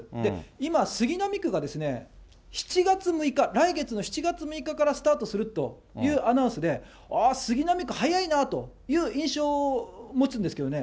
今、杉並区が７月６日、来月の７月６日からスタートするというアナウンスで、杉並区早いなという印象を持つんですけれどもね。